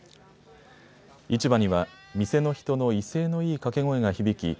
市場には店の人の威勢のいい掛け声が響き